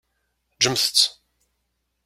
Ǧǧemt-t.